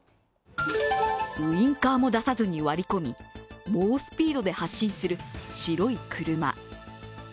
ウインカーも出さずに割り込み、猛スピードで発進する白い車。